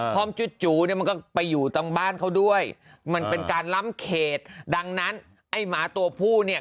อมจูเนี่ยมันก็ไปอยู่ตรงบ้านเขาด้วยมันเป็นการล้ำเขตดังนั้นไอ้หมาตัวผู้เนี่ย